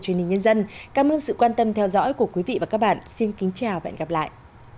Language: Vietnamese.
cảm ơn các bạn đã theo dõi và hẹn gặp lại